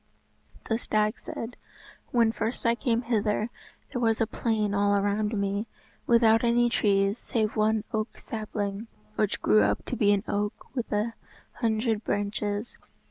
The stag said, "When first I came hither, there was a plain all around me, without any trees save one oak sapling, which grew up to be an oak with an hundred branches.